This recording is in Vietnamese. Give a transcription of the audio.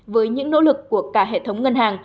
với những nỗ lực của cả hệ thống ngân hàng